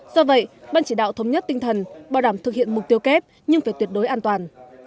do vậy ban chỉ đạo thống nhất tinh thần bảo đảm thực hiện mục tiêu kép nhưng phải tuyệt đối an toàn